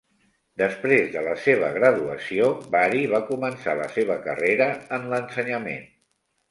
Després de la seva graduació, Bari va començar la seva carrera en l'ensenyament.